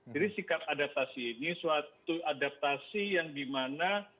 jadi sikap adaptasi ini suatu adaptasi yang dimana